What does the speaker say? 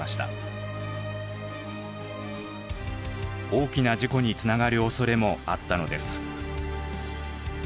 大きな事故につながるおそれもあったのです。